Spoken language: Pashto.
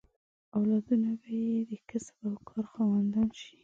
اولادونه به یې د کسب او کار خاوندان شي.